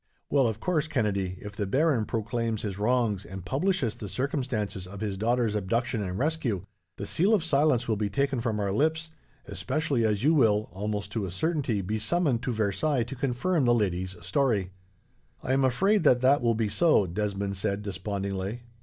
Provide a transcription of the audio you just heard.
"Well, of course, Kennedy, if the baron proclaims his wrongs, and publishes the circumstances of his daughter's abduction and rescue, the seal of silence will be taken from our lips; especially as you will, almost to a certainty, be summoned to Versailles to confirm the lady's story." "I am afraid that that will be so," Desmond said, despondingly.